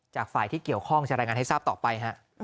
จากฝ่ายที่เกี่ยวข้องจะรายงานให้ทราบต่อไป